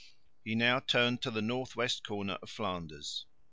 He now turned to the north west corner of Flanders.